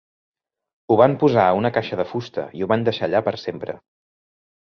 Ho van posar a una caixa de fusta i ho van deixar allà per sempre.